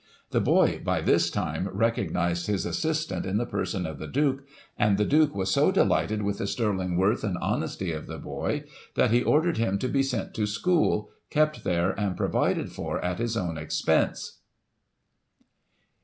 The boy, by this time, recognised his assistant, in the person of the Duke, and the Duke was so delighted with the sterling worth and honesty of the boy, that he ordered him to be sent to school, kept there, and provided for at his own expense."